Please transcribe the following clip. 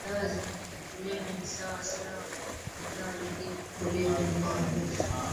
dawa za kulevya ni sawa Swala lingine la dawa za kulevya linahusu